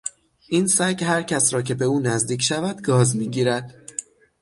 این سگ هر کس را که به او نزدیک شود گاز میگیرد.